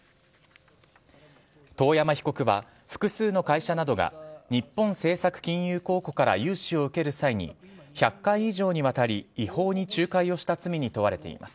遠山被告は、複数の会社などが、日本政策金融公庫から融資を受ける際に、１００回以上にわたり、違法に仲介をした罪に問われています。